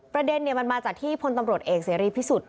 ประเด็นมันมาจากที่พลตำรวจเอกเสรีพิสุทธิ์